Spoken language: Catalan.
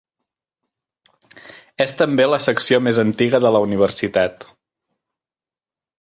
És també la secció més antiga de la universitat.